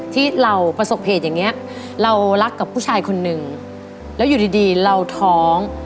ที่เราประสบเหตุอย่างเงี้ยเรารักกับผู้ชายคนนึงแล้วอยู่ดีดีเราท้อง